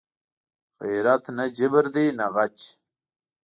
غیرت نه جبر دی نه غچ